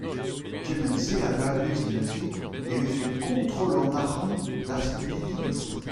Kement-se a dalvez neuze e vefe kontrol an arcʼhant d’ar silvidigezh ?